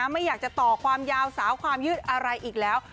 ไม่อยากจะต่อความยาวสาวความยืดอะไรอีกแล้ว